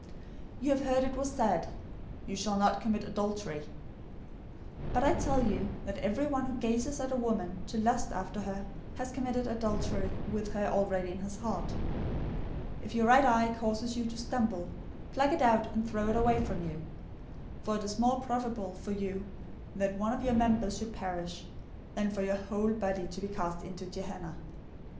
} 005:027 "You have heard that it was said, {TR adds "to the ancients,"} 'You shall not commit adultery;'{Exodus 20:14} 005:028 but I tell you that everyone who gazes at a woman to lust after her has committed adultery with her already in his heart. 005:029 If your right eye causes you to stumble, pluck it out and throw it away from you. For it is more profitable for you that one of your members should perish, than for your whole body to be cast into Gehenna.